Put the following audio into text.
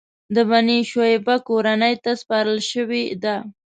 د بنی شیبه کورنۍ ته سپارل شوې ده.